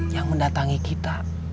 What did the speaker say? yang mendatangi kita